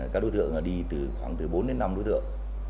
các đối tượng đi từ khoảng từ bốn đến năm đối tượng